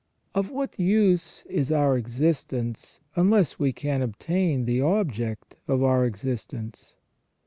Of what use is our existence unless we can obtain the object of our existence